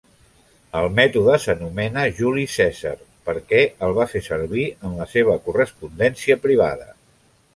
El mètode s'anomena Juli Cèsar perquè el va fer servir en la seva correspondència privada.